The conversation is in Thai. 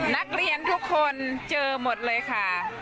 นักเรียนทุกคนเจอหมดเลยค่ะ